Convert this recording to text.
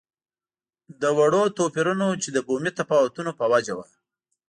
له وړو توپیرونو چې د بومي تفاوتونو په وجه وو.